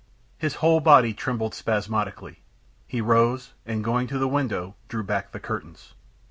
His whole body trembled spasmodically; he rose, and, going to the window, drew back the curtains.